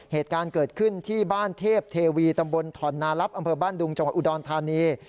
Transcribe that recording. เหตุการณ์เกิดขึ้นที่บ้านเทพเทวีตำบลถ่อนนาลับอำเภอบ้านดุงจังหวัดอุดรธานี